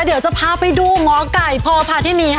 เดี๋ยวจะพาไปดูหมอไก่พอพาที่นี่ค่ะ